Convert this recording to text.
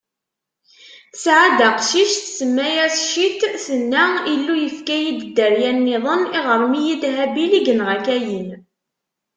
Tesɛa-d aqcic, tsemma-yas Cit, tenna: Illu yefka-yi-d dderya-nniḍen, iɣrem-iyi-d Habil, i yenɣa Kayin.